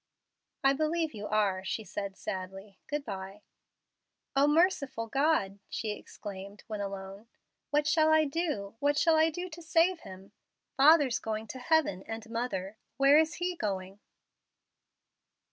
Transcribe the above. "I believe you are," she said, sadly. "Good by." "O merciful God!" she exclaimed when alone. "What shall I do what shall I do to save him? Father's going to heaven and mother. Where is he going?"